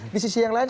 di sisi yang lain